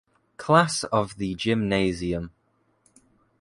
Class of the gymnasium.